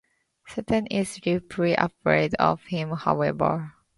Satan is deeply afraid of him, however.